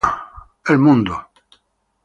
The World.